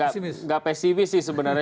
ya tidak pesimis sih sebenarnya